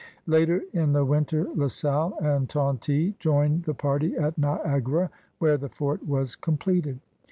Later in the winter La Salle and Tonty joined the party at Niagara where the fort was completed.